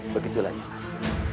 tapi hanya badan